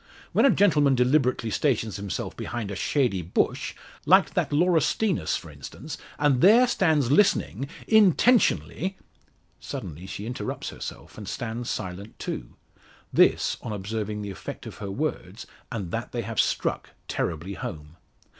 When a gentleman deliberately stations himself behind a shady bush, like that laurustinus, for instance, and there stands listening intentionally " Suddenly she interrupts herself, and stands silent too this on observing the effect of her words, and that they have struck terribly home.